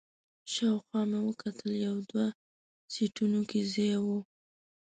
شاوخوا مې وکتل، یو دوه سیټونو کې ځای و.